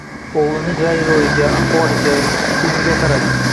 Oʻgʻlining rang-roʻyiga, ahvoliga, koʻngliga qaradi